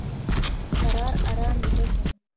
کرار ارام ویده شه !